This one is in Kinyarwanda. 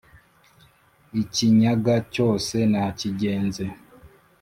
i kinyaga cyose nakigenze